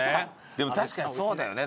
でも確かにそうだよね。